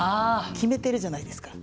決めてるじゃないですか。